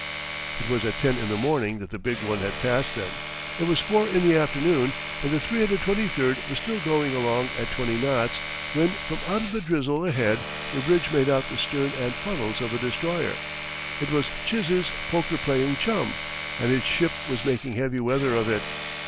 It was at ten in the morning that the big one had passed them. It was four in the afternoon, and the 323 was still going along at twenty knots when from out of the drizzle ahead her bridge made out the stern and funnels of a destroyer. It was Chiz's poker playing chum, and his ship was making heavy weather of it.